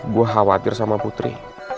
gue khawatir sama putri